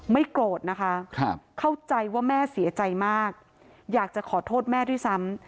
โกรธนะคะเข้าใจว่าแม่เสียใจมากอยากจะขอโทษแม่ด้วยซ้ำ